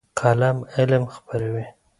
قلم علم خپروي.